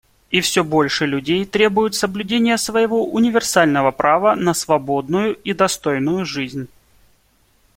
И все больше людей требует соблюдения своего универсального права на свободную и достойную жизнь.